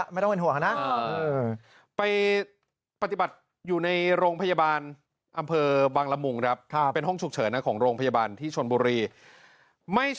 ไม่ต้องเป็นห่วงนะ